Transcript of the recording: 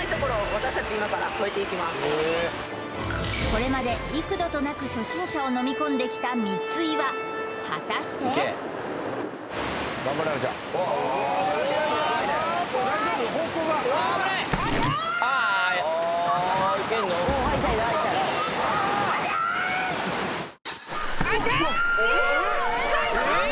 これまで幾度となく初心者をのみ込んできた三ツ岩果たしてあったー！